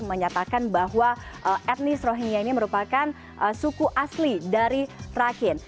menyatakan bahwa etnis rohingya ini merupakan suku asli dari trackin